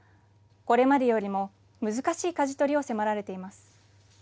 これまでよりも難しいかじ取りを迫られています。